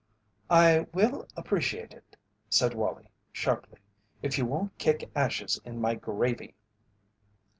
"I will appreciate it," said Wallie, sharply, "if you won't kick ashes in my gravy!"